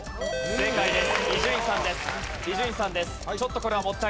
正解です。